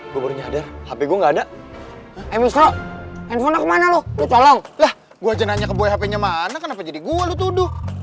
gue aja nanya ke boy hp nya mana kenapa jadi gue lu tuduh